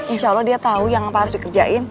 insya allah dia tahu yang apa harus dikerjain